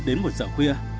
đến một giờ khuya